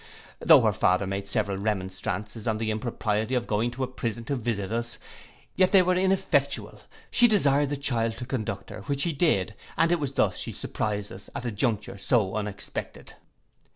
Though her father made several remonstrances on the impropriety of going to a prison to visit us, yet they were ineffectual; she desired the child to conduct her, which he did, and it was thus she surprised us at a juncture so unexpected.